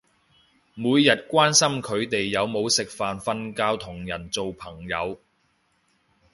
每日關心佢哋有冇食飯瞓覺同人做朋友